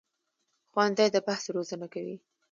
ښوونځی د بحث روزنه کوي